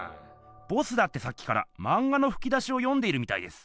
ボスだってさっきからまん画のふき出しを読んでいるみたいです。